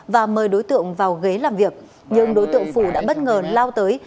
và mời đối tượng vào ghế làm việc nhưng đối tượng phù đã bất ngờ lao tới